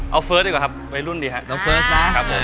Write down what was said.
เอาเฟิร์สดีกว่าครับไว้รุ่นดีครับ